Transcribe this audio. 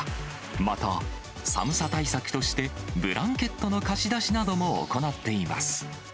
また、寒さ対策として、ブランケットの貸し出しなども行っています。